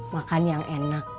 makan yang enak